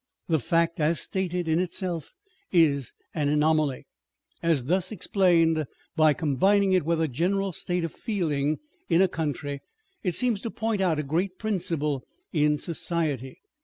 The fact, as stated in itself, is an anomaly : as thus explained, by combining it with a general state of feeling in a country, it seems to point out a great principle in society.